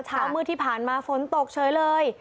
เช้ามืดที่ผ่านมาฝนตกเฉยเลย